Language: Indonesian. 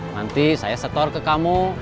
nanti saya setor ke kamu